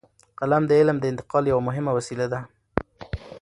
قلم د علم د انتقال یوه مهمه وسیله ده.